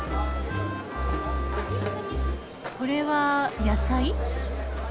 これは野菜？